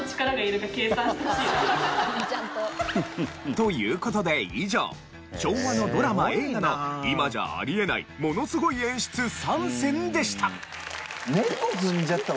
という事で以上昭和のドラマ・映画の今じゃありえないものすごい演出３選でした。